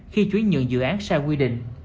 khi chuyển nhượng dự án sai quy định